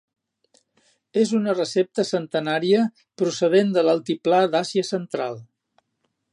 És una recepta centenària procedent de l'altiplà d'Àsia central.